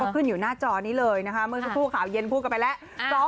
ขึ้นอยู่หน้าจอนี้เลยนะคะเมื่อสักครู่ข่าวเย็นพูดกันไปแล้ว